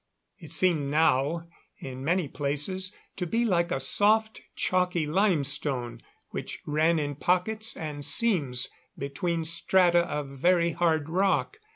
It seemed now, in many places, to be like a soft, chalky limestone, which ran in pockets and seams between strata of very hard rock.